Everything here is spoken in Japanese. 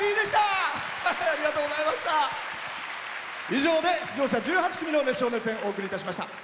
以上で、出場者１８組の熱唱・熱演お送りいたしました。